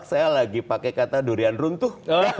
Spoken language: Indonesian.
saya lagi pakai kata durian runtuh